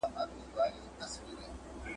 مُلا وویله خدای مي نګهبان دی ,